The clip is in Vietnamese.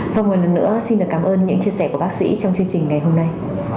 vâng một lần nữa xin được cảm ơn những chia sẻ của bác sĩ trong chương trình ngày hôm nay